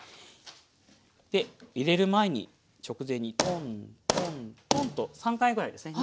で入れる前に直前にポンポンポンと３回ぐらいですね。